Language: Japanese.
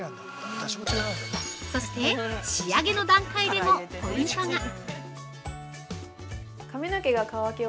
そして、仕上げの段階でもポイントが！